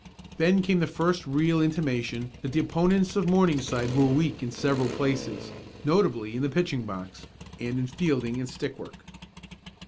Then came the first real intimation that the opponents of Morningside were weak in several places, notably in the pitching box, and in fielding and stick work.